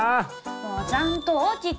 もうちゃんと起きて！